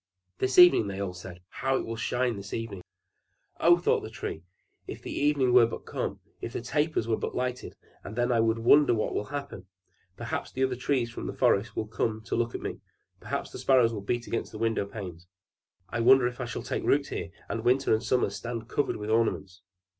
"This evening!" they all said. "How it will shine this evening!" "Oh!" thought the Tree. "If the evening were but come! If the tapers were but lighted! And then I wonder what will happen! Perhaps the other trees from the forest will come to look at me! Perhaps the sparrows will beat against the windowpanes! I wonder if I shall take root here, and winter and summer stand covered with ornaments!"